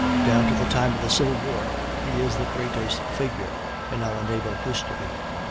Down to the time of the Civil War he is the greatest figure in our naval history.